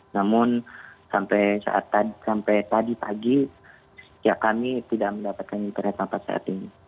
namun sampai tadi pagi kami tidak mendapatkan internet sampai saat ini